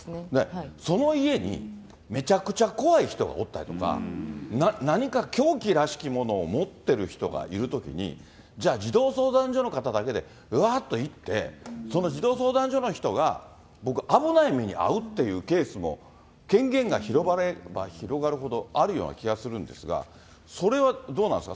その家に、めちゃくちゃ怖い人がおったりとか、何か凶器らしきものを持ってる人がいるときに、じゃあ、児童相談所の方だけでうわーって行って、その児童相談所の人が、僕、危ない目に遭うっていうケースも権限が広がれば広がるほどあるような気がするんですが、それはどうなんですか？